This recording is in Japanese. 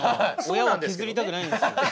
親を削りたくないんです。